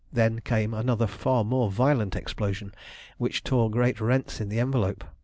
Then came another far more violent explosion, which tore great rents in the envelope.